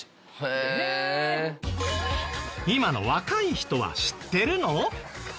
今の若い人は知ってるの？